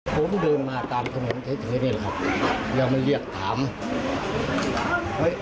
ผมเดินมาตามถนนเท้นเท้นเนี่ยแหละครับอย่ามาเรียกถามเฮ้ย